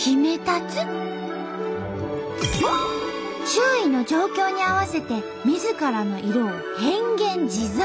周囲の状況に合わせてみずからの色を変幻自在！